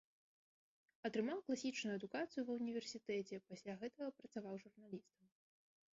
Атрымаў класічную адукацыю ва ўніверсітэце, пасля гэтага працаваў журналістам.